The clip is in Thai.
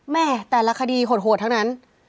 แม่แต่ละคดีโหดทั้งนั้น